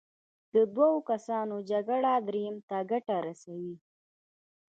د دوو کسانو جګړه دریم ته ګټه رسوي.